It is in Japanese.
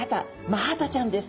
マハタちゃんです。